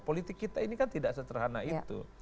politik kita ini kan tidak sederhana itu